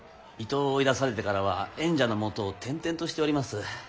伊東を追い出されてからは縁者のもとを転々としております。